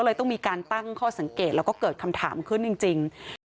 ต้องมีการตั้งข้อสังเกตแล้วก็เกิดคำถามขึ้นจริง